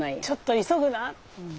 ちょっと急ぐな。